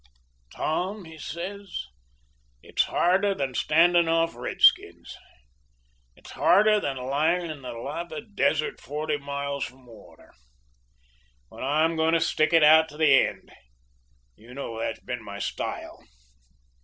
"'Tom,' says he, 'it's harder than standing off redskins; it's harder than lying in the lava desert forty miles from water; but I'm going to stick it out to the end. You know that's been my style.